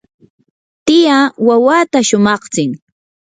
tiyaa wawata shumaqtsin.